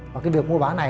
và cái việc mua bán này